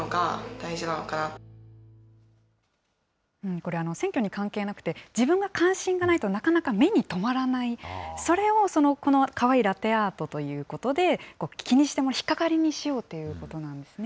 これ、選挙に関係なくて、自分が関心がないとなかなか目にとまらない、それをこのかわいいラテアートということで、気にして、引っ掛かりにしようということなんですね。